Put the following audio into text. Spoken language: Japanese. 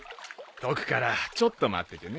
解くからちょっと待っててね。